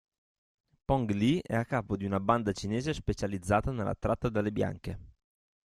Pong Lee è a capo di una banda cinese specializzata nella tratta delle bianche.